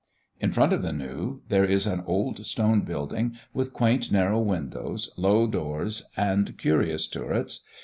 In front of the new, there is an old stone building, with quaint narrow windows, low doors, and curious turrets.